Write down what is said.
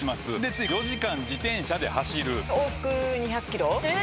次４時間自転車で走る。